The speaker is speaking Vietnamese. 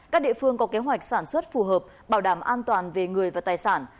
các địa phương có kế hoạch sản xuất phù hợp bảo đảm an toàn về người và tài sản